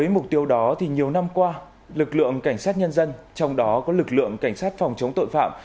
mục tiêu đó thì nhiều năm qua lực lượng cảnh sát nhân dân trong đó có lực lượng cảnh sát phòng chống tội phạm